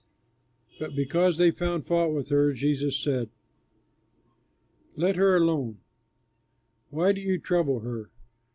But because they found fault with her, Jesus said, "Let her alone, why do you trouble her?